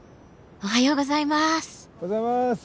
おはようございます。